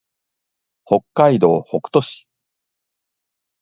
北海道北斗市